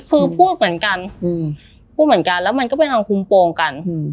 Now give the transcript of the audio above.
คือพูดเหมือนกันพูดเหมือนกันแล้วมันก็ไปลองคุมโปรงกัน